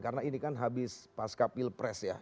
karena ini kan habis pasca pilpres ya